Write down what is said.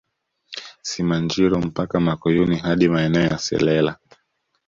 Simanjiro mpaka Makuyuni hadi maeneo ya Selela